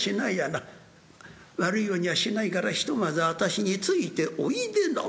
悪いようにはしないからひとまず私についておいでな」。